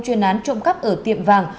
chuyên án trộm cắp ở tiệm vàng